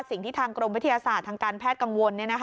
สิ่งที่ทางกรมวิทยาศาสตร์ทางการแพทย์กังวล